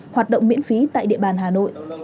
hoạt động miễn phí tại địa bàn hà nội